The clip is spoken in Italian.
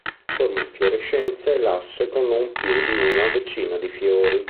Forma infiorescenze lasse con non più di una decina di fiori.